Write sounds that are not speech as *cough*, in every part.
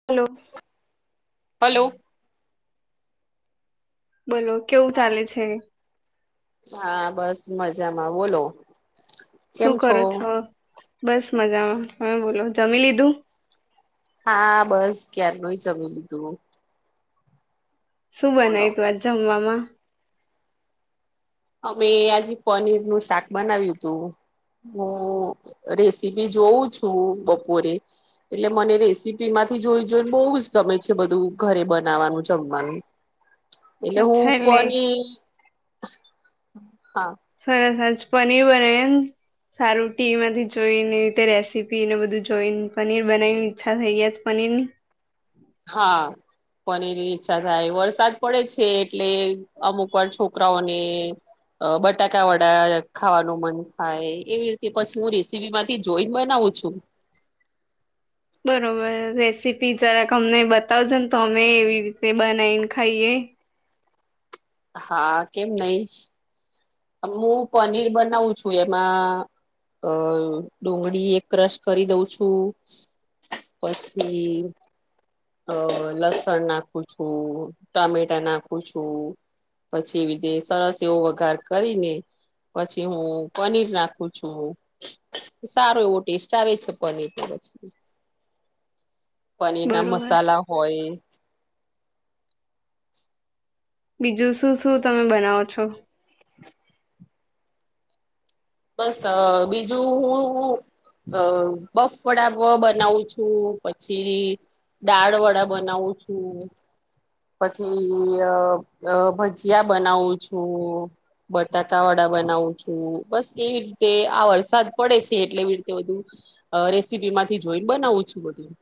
Hello. Hello. બોલો કેવું ચાલે છે? હા બસ મજામાં બોલો શું કરો છો બસ મજામાં તમે બોલો જમી લીધું હા બસ ક્યાર નુય જમી લીધું સુું બોલો બનાય તો આજ જમવામાં અમે આજ પનીરનું શાક બનાવ્યું હતું હું રેસીપી જોઉં છું બપોરે એટલે મને રેસીપી માંથી જોઈ જોઈને બહુ જ ગમે છે બધું ઘરે બનાવવાનું જમવાનું એટલે હું અચ્છા એટલે કોની હા. સરસ સર પનીર બનાયું એમ સારું ટીવીમાંથી જોઈ ને તે રીતે રેસીપી ને બધું જોઈને પનીર બનાવીને ઈચ્છા થઈ ગઈ આજ પનીર ની હા. પનીર ની ઈચ્છા થાય વરસાદ પડે છે એટલે અમુક વાર છોકરાઓને અ બટાકા વડા ખાવાનું મન થાય એવી રીતે પછી હું રેસીપીમાંથી થી જોઈને બનાવું છુ. બરોબર રેસીપી જરાક અમને બતાવજો ને તો અમે એવી રીતે બનાવીને ખાઈએ હા કેમ નહી. હું પનીર બનાવું છું એમાં અ ડુંગળી એક ક્રશ કરી દઉં છું. પછી અ લસણ નાખું છું ટામેટા નાખું છું. પછી વીધેય સરસ એવો વગાર કરીને પછી હું પનીર નાખું છું. સારો એવો ટેસ્ટ આવે છે પનીરનો જ પનીરના બરોબર મસાલા હોય બીજું શું શું તમે બનાવો છો. બસ બીજું હું હું. અ બફફવળા બ બનાવું શું પછી દાળ વડા બનાવું છું. પછી અ અ ભજીયા બનાવું છું. બટાકાવાડા બનાવું છું બસ એવી રીતે આ વરસાદ પડે છે એટલે એવી રીતે બધું અ રેસીપીમાંથી જોઈને બનાવું છું બધું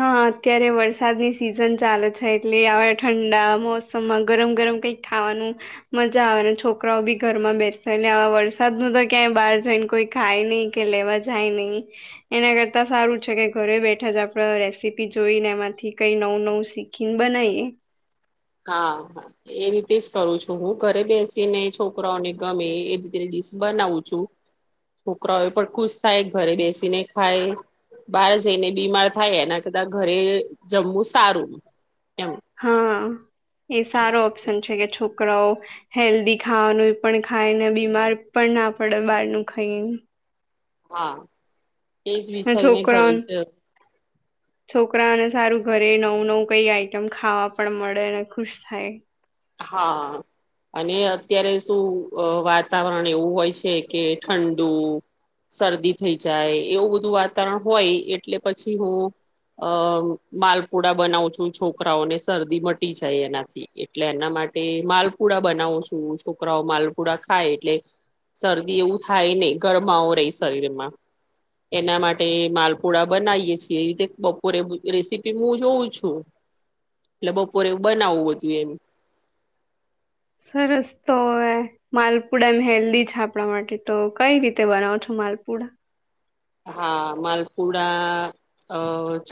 હા અત્યારે વરસાદની સિઝન ચાલે છે એટલે હવે ઠંડા મોસમમાં ગરમ ગરમ કઈક ખાવાનું મજા આવે ને છોકરાઓ બી ઘરમાં બેસે ને આવા વરસાદ ન તો ક્યાંય બહાર જઈને કોઈ ખાય નહી. કે લેવા જાય નહી એના કરતા સારું છે કે ઘરે બેઠા જ ત રેસીપી જોઈને એમાંથી કઈ નવું નવું શીખીને બનાવીએ હા હા. એ રીતે જ કરું છું હું ઘરે બેસી ને છોકરાઓને ગમે એ રીતે ડીશ બનાવું છું. છોકરાઓ પણ ખુશ થાય ઘરે બેસીને ખાય બહાર જઈને બીમાર થાય એના કરતા ઘરે જમવું સારું એમ હા એ સારો ઓપ્શન છે કે છોક છોકરાઓ હેલ્ધી ખાવાનું એ પણ ખાય ને બીમાર પણ ના પડે બહારનું ખાઈ હા. એજ હ વિચારીને ઘરે છોકરાનો જ છોકરાને સારું ઘરે નવું નવું કઈ આઈટમ ખાવા પણ મળે અને ખુશ થાય. હા. અને અત્યારે શું વાતાવરણ એવું હોય છે કે ઠંડુ શરદી થઈ જાય એવું બધું વાતાવરણ હોય એટલે પછી હું અ માલપુડા બનાવું છું છોકરાઓને શરદી મટી જાય એનાથી એ એટલે એના માટે માલપુડા બનાવો છું, છોકરાઓ માલપુડા ખાય એટલે શરદી એવું થાય નહી ગરમાવો રેય શરીરમાં એના માટે માલપુડા બનાવીએ છીએ એ રીતે બપોરે *inaudible* રેસીપી હું જોઉં છું. એટલે બપોરે હું બનાવવું બધું એમ. સરસ તો હ માલપુડા એમ હેલ્ધી છે, આપણા માટે તો કઈ રીતે બનાવો છો માલપુડા? હા માલપુડા અ ચ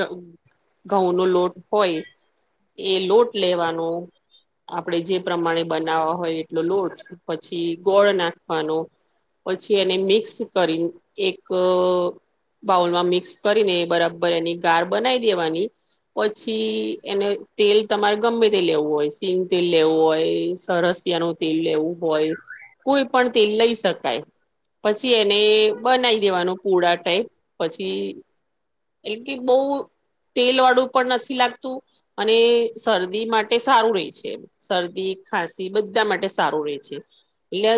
ઘઉં નો લોટ હોય એ લોટ લેવાનો આપણે જે પ્રમાણે બનાવવા હોય એટલો લોટ પછી ગોળ નાખવાનો પછી એને મિક્સ કરીને એક અ બાઉલમાં મિક્સ કરી બરાબર એની ગાર બનાવી દેવાની પછી એને તેલ તમારે ગમે તે લેવું હોય સિંગ તેલ લેવું હોય સરસિયા નું તેલ લેવું હોય કોઈ પણ તેલ લઈ શકાય પછી એને બનાવી દેવાનું પૂળા ટાઈપ પછી એટ કે બહ તેલ વાળું પણ નથી લાગતું અને શરદી માટે સારું રહેે છે એમ. શરદી, ખાંસી બધા માટે સારું રહેે છે એલે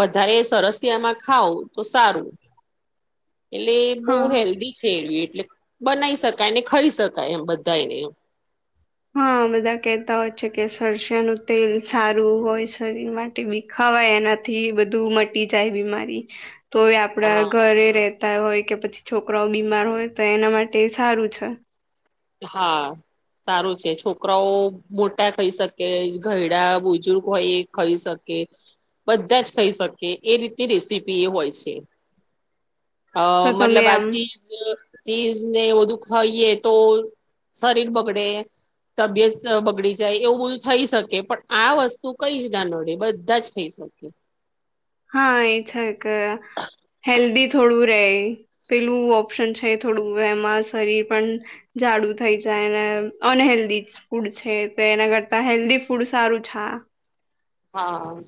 વધારે સરસિયામાં ખાવ તો સારું. એટલે બહુ હા હેલ્ધી છે, એલુ એ એટલે બનાવી શકાય ને ખાઈ શકાય એમ બધાને એમ. હા બધા કેહેતા હોય છે કે, સરસિયાનું તેલ સારું હોય શરીર માટે. બી ખાવાય એનાથી બધું મટી જાય બીમારી. તો એ આપડા હા ઘરે રેતા હોય કે પછી છોકરાઓ બીમાર હોય તો એના માટે સારું છે. હા સારું છે, છોકરાઓ મોટા થઈ શકે, ઘયડા બુજુર્ગ હોય એ ખાઈ શકે. કે બધા જ ખઈ શકે એ રીતની રેસીપી એ હોય છે. અ તો તમે મતલબ આ આમ ચીજ ચીજ ને એ બધું ખઈએ તો શરીર બગડે તબિયત બગડી જાય એવું બધું થઈ શકે પણ આ વસ્તુ કઈ જ ના નડે બધા જ થઈ સરકે હા એ છે કે હેલ્ધી થોડું રેય પેલું ઓપ્શન છે એ થોડું એમાં શરીર પણ જાડુ થઈ જાય ને અનહેેલ્ધી ફૂડ છે તો એના કરતા હેલ્ધી ફૂડ સારું છે હા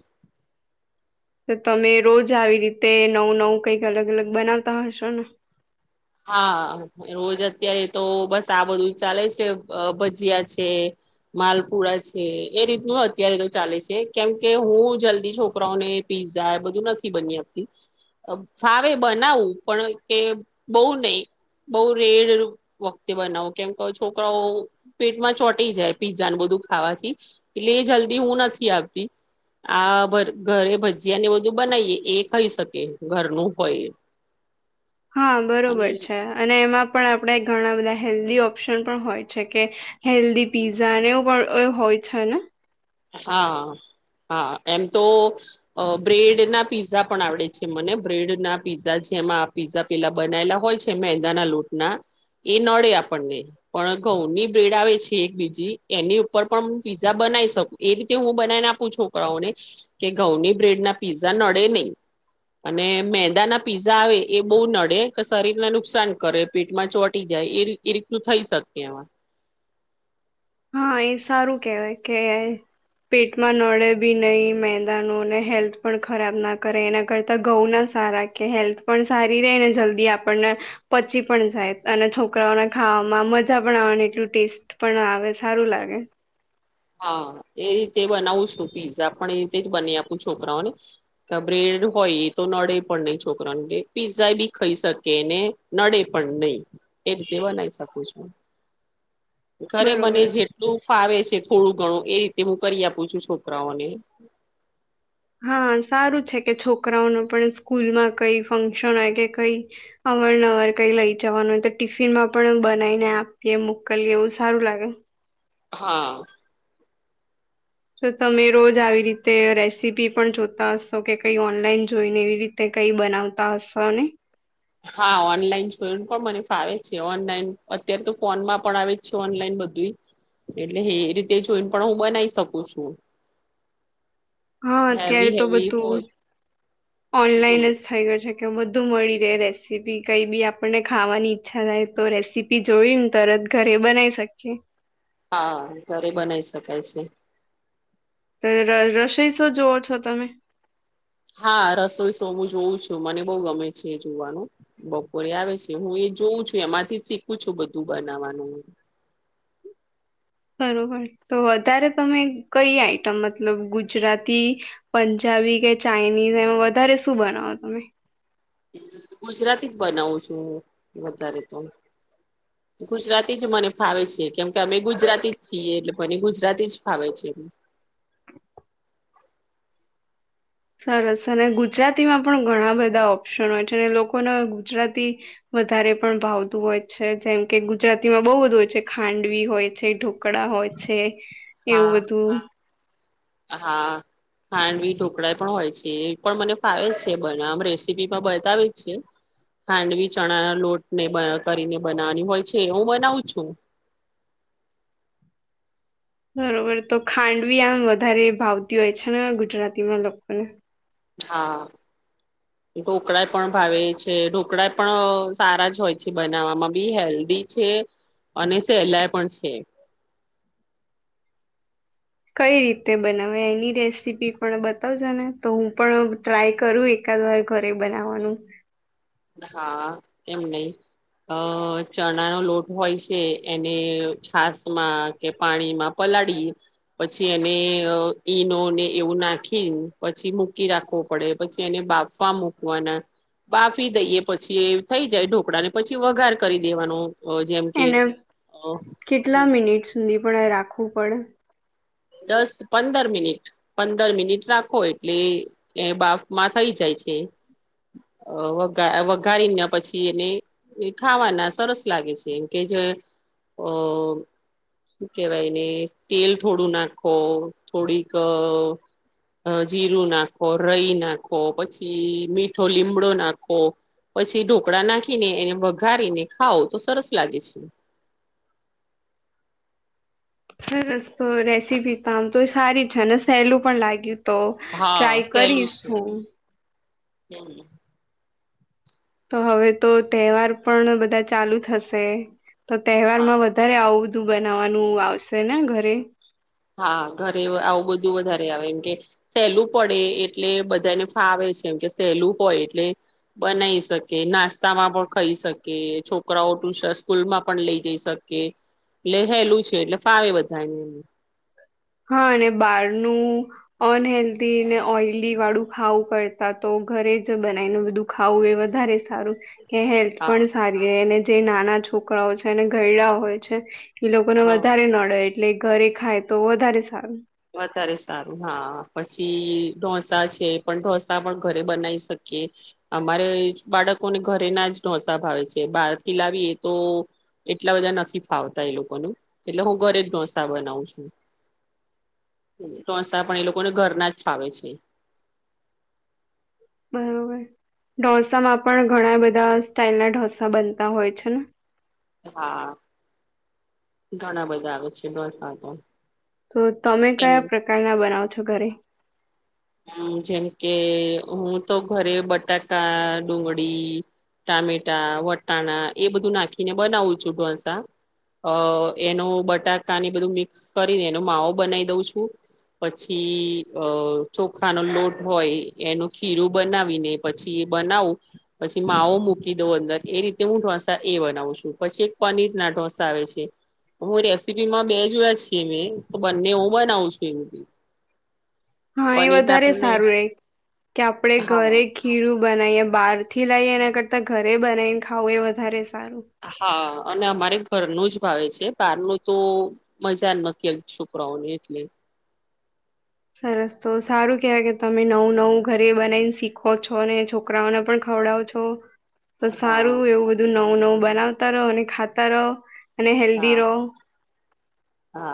તો તમે રોજ આવી રીતે નવું નવું અલગ અલગ બનાવતા હશો ને? હા રોજ અત્યારે તો બસ આ બધું ચાલે છે, ભજીયા છે. માલપુરા છે એ રીતનું અત્યારે તો ચાલે છે કેમ કે હું જલ્દી છોકરાઓને પીઝા બધું નથી આપતી ફાવે બનાવું પણ કે બહુ નહી બહુ રેડ વખતે બનાવો કેમ ક છોકરાઓ પેડ મા ચોટી જાય પીઝાને બધું ખાવાથી એટલે એ જલ્દી હું નથી આવતી આ ઘરે ભજીયા ને એ બધું બનાવીએ એ ખાઈ શકે ઘરનું હોય હા બરોબર અને છે, અને એમાં પણ આપણે ઘણા બધા હેલ્ધી ઓપ્શન પણ હોય છે કે હેલ્દી પીઝાને એવુ પણ હોય છે ને હા હા એમ તો અ બ્રેડ ના પીઝા પણ આવડે છે મને બ્રેડ ના પીઝા છે એમાં આ પીઝા પેલા બનાયેલા હોય છે મેદાના લોટના ઈ નડે આપણને પણ ઘઉંની બ્રેડ આવે છે, એક બીજી એની ઉપર પણ હું પીઝા બનાવી શકું. એ રીતે હું બનાવીને આપું છોકરાઓને કે ઘઉંની બ્રેડના પીઝા નડે નહીં. અને મેંદાના પીઝા આવે એ બહુ નડે કે શરીરને નુકસાન કરે પેટમાં ચોટી જાય એ રીતું થઈ શકે આમાં હા એ સારું કેવાય કે પેટમાં નડે બી નહીં મેદાનો ને હેલ્થ પણ ખરાબના કરે એના કરતા ઘઉંના સારા કે હેલ્થ પણ સારી રહેને જલ્દી આપણને પચી પણ જાય અને છોકરાઓને ખાવામાં મજા પણ આવેવાની એટલું ટેસ્ટ પણ આવે. સારું લાગે હા એ જે બનાવું છું પીઝા પણ એ રીતે જ બનાવી આપું. છોકરાઓને બ્રેડ હોય એ તો નડે પણ નહી છોકરાને પીઝા બી ખાઈ શકેને. નડે પણ નહી એ રીતે બનાવી શકું છું. *inaudible* ઘરે મને બરોબર જેટલું ફાવે છે થોડું ઘણું એ રીતે હું કરી આપું છું, છોકરાઓને હા સારું છે. કે છોકરાઓને પણ સ્કૂલમાં કઈ ફંક્શન હોય કે કઈ અવાર નવાર કઈ લઈ જવાનું હોય તો ટિફિનમાં પણ બનાવીને આપીએ મોકલીએ એવું સારું લાગે. હા જો તમે રોજ આવી રીતે રેસીપી પણ જોતા હશો કે કઈ ઓનલાઈન જોઈને. એવી રીતે તે કઈ બનાવતા હશો ને? હા ઓનલાઈન જોઈ ને પણ મને ફાવે છે. ઓનલાઈન અત્યારે તો ફોનમાં પણ આવે છે ઓનલાઈન બધુંય. એટલે એ રીતે જોઈને પણ હું બનાવી શકું છું. હા હેવી અત્યારે તો હેવી બધું હોય ઓનલાઈન જ થઈ ગય છે કે બધું મળી રહે રેસીપી કઈ બી આપણને ખાવાની ઈચ્છા થાય તો રેસી પી જોઈને તરત ઘરે બનાવી શકીએ. હા, ઘરે બનાવી શકાય છે. *unintelligible* રસોઈ શું જોવો છો તમે? હા રસોઈ સો હું જોઉં છું મને બહુ ગમે છે જોવાનું. બપોરે આવે છે. હું એ જોઉં છું એમાંથી શીખું છું બધું બનાવવાનું. બરોબર તો વધારે તમે કઈ આઈટમ મતલબ ગુજરાતી પંજાબી કે ચાઇનીઝ એમાં વધારે શું બનાવો તમે ગુજરાતી જ બનાવું છું વધારે તો *inaudible* ગુજરાતી જ મને ફાવે છે. કેમ કે અમે ગુજરાતી જ છીએ. એટલે મને ગુજરાતી જ ફાવે છે. સરસ અને ગુજરાતીમાં ઘણા બધા ઓપ્શન હોય છે ને લોકોને ગુજરાતી વધારે પણ ભાવતું હોય છે જેમ કે ગુજરાતીમાં બહુ બધું હોય છે. ખાંડવી હોય છે. ઢોકળા હોય છે. એવું હા બધું હા. ખાંડવી, ઢોકળા પણ હોય છે એ પણ મને ફાવે છે બનાવવામાં. આમ રેસીપીમાં બતાવે છે. ખાંડવી ચણા ના લોટને બ કરીને બનાવાની હોય છે. હું બનાવું છું. બરોબર તો ખાંડવી આમ વધારે ભાવતી હોય છે ને ગુજરાતીમાં લોકોને હા. *inaudible* ઢોકળા પણ ભાવે છે. ઢોકળા પણ સારા જ હોય છે બનાવવામાં ભી હેલ્ધી છે અને સહેલાય પણ છે. કઈ રીતે બનાવે એની રેસીપી પણ બતાવજો ને તો હું પણ ટ્રાય કરું એ કાદવાર ઘરે બનાવવાનું. હા, કેમ નહી. અ ચણાનો લોટ હોય છે એને છાસમાં કે પાણીમાં પલાડીએ પછી એને ઈનો ને એવું નાખીન પછી મૂકી રાખવો પડે પછી એને બાફવા મૂકવાના બાફ વા દઈએ પછી એ થઈ જાય ઢોકળા ને પછી વગાર કરી દેવાનું અહ જેમ કે એને અહ કેટલા મિનિટ સુધી પણ એ રાખવું પડે? દસ-પંદર મિનિટ. પંદર મિનિટ રાખો એટલે એ એ બાફમાં થઈ જાય છે. અહ વઘા વઘારીને પછી એને એ ખાવાના સરસ લાગે છે કે જે અહ હું કેહેવાય એને, તેલ થોડું નાખો, થોડીક અહ જીરું નાખો, રઈ નાખો પછી મીઠો લીમડો નાખો પછી ઢોકળા નાખીને એને વઘારીને ખાાવ તો સરસ લાગે છે. સરસ તો રેસીપી તો આમ તો એ સારી છે ને સહેલું પણ લાગ્યું તો હા ટ્રાય કરીશું હું. હમ્મ. તો હવે તો તહેવાર પણ બધા ચાલુ થશે તો હા તહેવારમાં વ ધારે આવું બધું બનાવવાનું આવશે ને ઘરે. હા ઘરે આવું બધું વધારે આવે એમ કે સહેલું પડે એટલે બધાને ફાવે છે એમ કે સહેલું હોય એટલે બનાવી શકે. નાસ્તામાં પણ ખાઈ શકે. છોકરાઓ ટુસ સ્કૂલ માં પણ લઈ જઈ શ કે એટલે હેલું છે એટલે ફાવે બધાને એ. હ અ અને બારનું અનહેેલ્ધી ને ઓઈલીવાળું ખાવું કરતા તો ઘરે જ બનાવીને બધું ખાવું એ વધારે સારું. કે હેલ્થ હા પણ સારી હોય અને જે નાના છોકરાઓ અને ઘયડાઓ હોય છે તે લોકોને હા વધારે નડે એટલે એ ઘરે ખાય તો વધારે સારું. વધારે સારું. હા. પછી ઢોસા છે પણ ઢોસા પણ ઘરે બનાવી શકીએ. અમારે જ બાળકોને ઘરે ના જ ઢોંસા ભાવે છે બારથી લાવીએ તો એટલા બધા નથી ફાવતા એ લોકોને એટલે હું ઘરે જ ઢોસા બનાવ છું. ઢોસા પણ એ લોકોને ઘરના જ ફાવે છે. બરોબર ઢોસામાં પણ ઘણા બધા સ્ટાઈલ ના ઢોસા બનતા હોય છે, ને? હા ઘણા બધા આવે છે, ઢોસા તો તો તમે એમ કયા પ્રકારના બનાવો છો ઘરે? હમ જેમ કે હું તો ઘરે બટાકા, ડુંગળી ટામેટા, વટાણા એ બધું નાખીને બનાવું છું ઢોસા અ એનું બટાકાને બધું મિક્સ કરીને એનો માવો બનાવી દઉં છું પછી અ ચોખાનો લોટ હોય એનું ખીરું બનાવીને પછી એ બનાવું પછી માવો મૂકી દઉં અંદર એ રીતે હું ઢોસા એ બનાવું છું પછી એક પનીરના ઢોસા આવે છે. હું રેસીપી માં બે જોયા છે મેં તો બને હું બનાવું છું એમ કેય હા એ વધારે સારું રેય કે આપડે ધરે હા ખીરું બનાવીએ બહારથી લઈએ એના કરતા ઘરે બનાઈ ને ખાવું એ વધારે સારું હા અને અમારે ઘરનું જ ભાવે છે, બારનુ તો મજા નથી આવતી છોકરાઓને એટલે સરસ તો સારું કેવાય કે તમે નવું નવું ઘરે બનાઈને શીખો છો ને છોકરાઓને પણ ખવડાવો છો તો તો હા સારું એવું બધું નવું નવું બનાવતા રહો અને ખાતા રહો અને હેલ્ધી હા રહો. હા